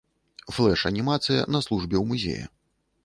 Флэш-анімацыя на службе ў музея.